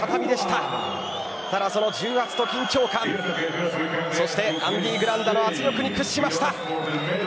ただその重圧と緊張感そしてアンディ・グランダの圧力に屈しました。